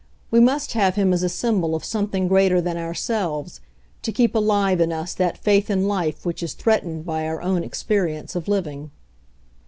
We must have him as a symbol of something greater than ourselves, to keep alive in us that faith in life which is threatened by our own ex perience of living.